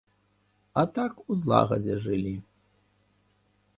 А так у злагадзе жылі.